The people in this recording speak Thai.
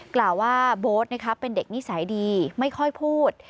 กล่าวว่าโบ๊ทเป็นเด็กนิสัยดีไม่ค่อยพูด